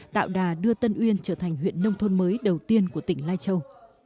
tạo đà đưa tân uyên trở thành huyện nông thôn mới đầu tiên của tỉnh lai châu